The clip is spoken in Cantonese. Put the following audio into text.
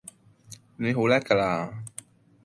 你好叻㗎啦